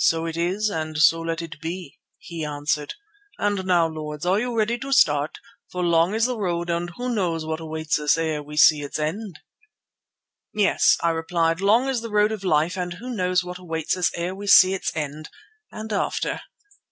"So it is and so let it be," he answered. "And now, Lords, are you ready to start? For long is the road and who knows what awaits us ere we see its end?" "Yes," I replied, "long is the road of life and who knows what awaits us ere we see its end—and after?"